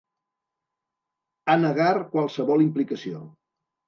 Ha negar qualsevol implicació.